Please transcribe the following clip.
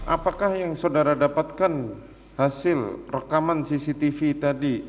apakah yang saudara dapatkan hasil rekaman cctv tadi